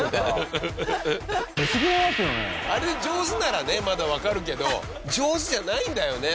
あれで上手ならねまだわかるけど上手じゃないんだよね